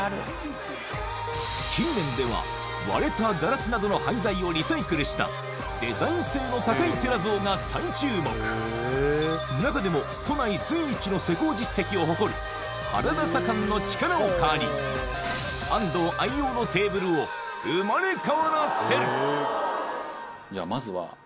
近年では割れたガラスなどの廃材をリサイクルしたデザイン性の高いテラゾーが再注目中でも都内随一の施工実績を誇る原田左官の力を借り愛用のあ来た。